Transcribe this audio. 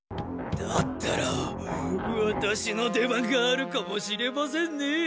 だったらワタシの出番があるかもしれませんね。